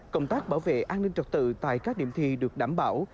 cộng tác bảo vệ an ninh trọc tự tại các điểm thi được đảm bảo